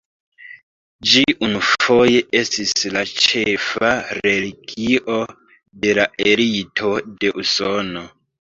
Ĝi unufoje estis la ĉefa religio de la elito de Usono.